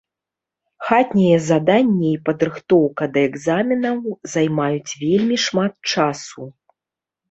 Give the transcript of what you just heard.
Хатняе заданне і падрыхтоўка да экзаменаў займаюць вельмі шмат часу.